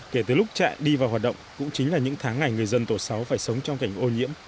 kể từ lúc trại đi vào hoạt động cũng chính là những tháng ngày người dân tổ sáu phải sống trong cảnh ô nhiễm